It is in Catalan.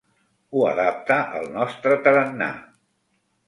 Ho adapta al nostre tarannà.